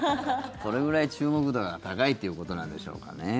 それくらい注目度が高いということなんでしょうかね。